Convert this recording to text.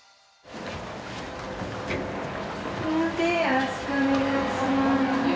よろしくお願いします。